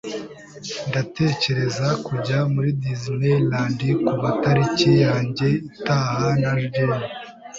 Ndatekereza kujya muri Disneyland kumatariki yanjye itaha na Jane.